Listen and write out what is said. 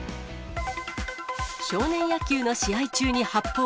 少年野球の試合中に発砲。